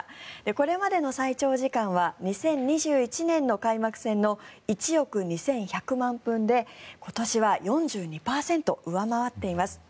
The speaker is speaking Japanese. これまでの最長時間は２０２１年の開幕戦の１億２１００万分で今年は４２％上回っています。